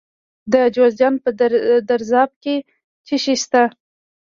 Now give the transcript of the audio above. د جوزجان په درزاب کې څه شی شته؟